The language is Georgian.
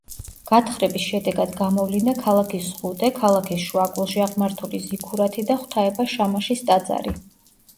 გათხრების შედეგად გამოვლინდა ქალაქის ზღუდე, ქალაქის შუაგულში აღმართული ზიქურათი და ღვთაება შამაშის ტაძარი.